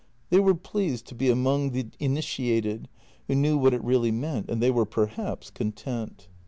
They were pleased to be among the initiated who knew what it reallv meant — and they were perhaps content.